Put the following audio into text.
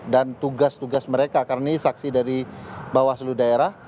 dan tugas tugas mereka karena ini saksi dari bawaslu daerah